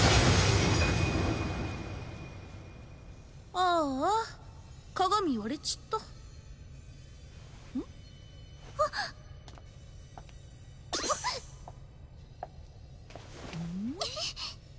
ああ鏡割れちったうん？あっうん？